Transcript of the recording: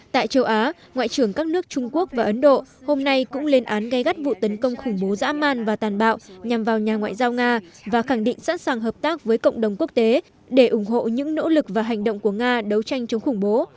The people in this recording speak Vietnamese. tại châu á ngoại trưởng các nước trung quốc và ấn độ hôm nay cũng lên án gai gắt vụ tấn công khủng bố dã man và tàn bạo nhằm vào nhà ngoại giao nga và khẳng định sẵn sàng hợp tác với cộng đồng quốc tế để ủng hộ những nỗ lực và hành động của nga đấu tranh chống khủng bố